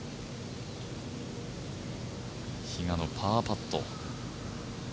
比嘉のパーパット。